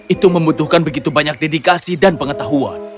itu membutuhkan begitu banyak dedikasi dan pengetahuan